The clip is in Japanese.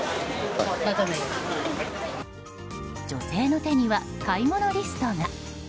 女性の手には買い物リストが。